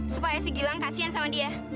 supaya si gilang kasian sama dia